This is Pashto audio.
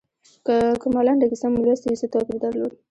که کومه لنډه کیسه مو لوستي وي څه توپیر درلود.